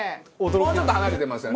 もうちょっと離れてますよね。